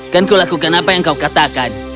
kan kulakukan apa yang kau katakan